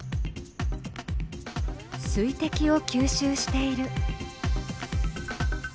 水滴を吸収している。